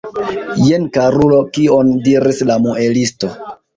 Jen, karulo, kion diris la muelisto!